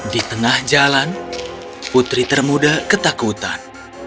di tengah jalan putri termuda ketakutan